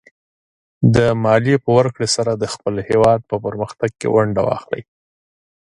د مالیې په ورکړې سره د خپل هېواد په پرمختګ کې ونډه واخلئ.